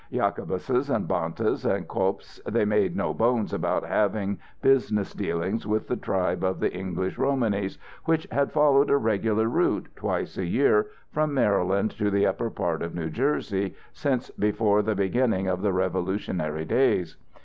Jacobuses and Bantas and Koppfs, they made no bones about having business dealings with the tribe of English Romanys which had followed a regular route, twice a year, from Maryland to the upper part of New Jersey, since before the beginning of the Revolutionary days.